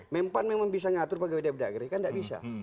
mempan memang bisa mengatur pegawai di abd kan tidak bisa